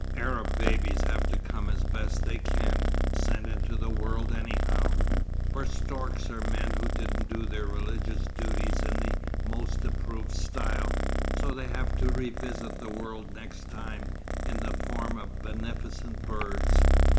Arab babies have to come as best they can sent into the world anyhow; for storks are men who didn't do their religious duties in the most approved style, so they have to revisit the world next time in the form of beneficent birds."